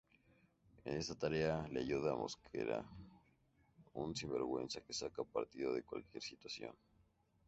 En esta tarea le ayuda Mosquera, un sinvergüenza que saca partido de cualquier situación.